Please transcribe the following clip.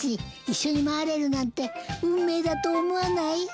一緒に回れるなんて運命だと思わない？